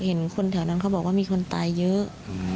เห็นคนแถวนั้นเขาบอกว่ามีคนตายเยอะ